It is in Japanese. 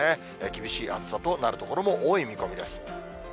厳しい暑さとなる所も多い見込みです。